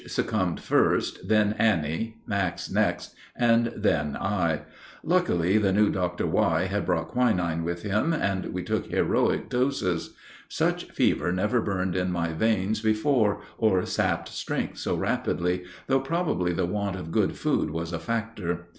succumbed first, then Annie, Max next, and then I. Luckily, the new Dr. Y. had brought quinine with him, and we took heroic doses. Such fever never burned in my veins before or sapped strength so rapidly, though probably the want of good food was a factor.